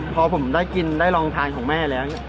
พอผมได้กินได้ลองทานของแม่แล้ว